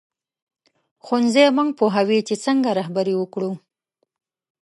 ښوونځی موږ پوهوي چې څنګه رهبري وکړو